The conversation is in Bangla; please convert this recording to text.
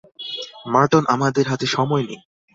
মার্টন, আমাদের হাতে সময় নেই।